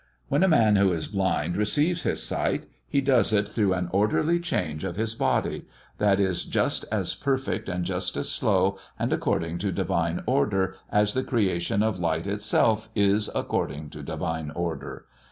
When a man who is blind receives his sight, he does it through an orderly change of his body, that is just as perfect and just as slow and according to divine order as the creation of light itself is according to divine order.